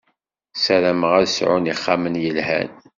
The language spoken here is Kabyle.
Sarameɣ ad sɛun ixxamen yelhan.